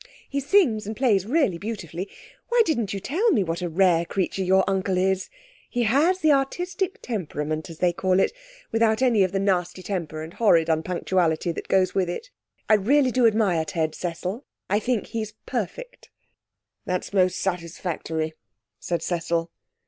He sings and plays really beautifully. Why didn't you tell me what a rare creature your uncle is? He has the artistic temperament, as they call it without any of the nasty temper and horrid unpunctuality that goes with it. I really do admire Ted, Cecil. I think he's perfect.' 'That is most satisfactory,' said Cecil.